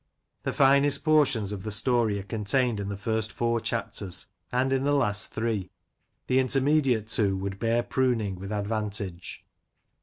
The finest portions of the story are contained in the first four chapters, and in the last three — the intermediate two would bear pruning with advantage.